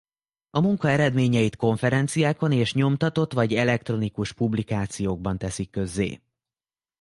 A munka eredményeit konferenciákon és nyomtatott vagy elektronikus publikációkban teszik közzé.